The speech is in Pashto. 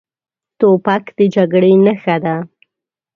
توپک د جګړې نښه ده.